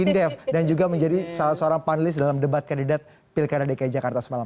indef dan juga menjadi salah seorang panelis dalam debat kandidat pilkada dki jakarta semalam